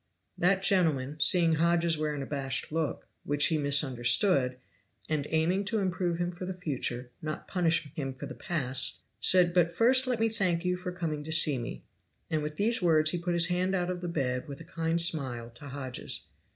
That gentleman, seeing Hodges wear an abashed look, which he misunderstood, and aiming to improve him for the future, not punish him for the past, said, "But first let me thank you for coming to see me," and with these words he put his hand out of the bed with a kind smile to Hodges.